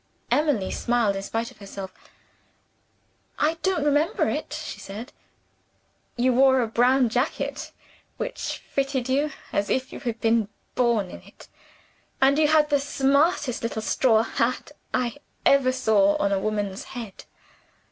Emily smiled, in spite of herself. "I don't remember it," she said. "You wore a brown jacket which fitted you as if you had been born in it and you had the smartest little straw hat I ever saw on a woman's head.